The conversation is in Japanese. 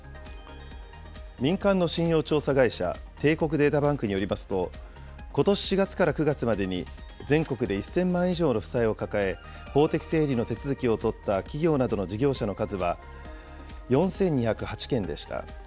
民間の信用調査会社、帝国データバンクによりますと、ことし４月から９月までに、全国で１０００万円以上の負債を抱え、法的整理の手続きを取った企業などの事業者の数は、４２０８件でした。